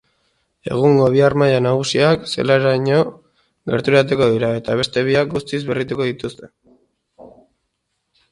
Egungo bi harmaila nagusiak zelairaino gerturatuko dira eta beste biak guztiz berrituko dituzte.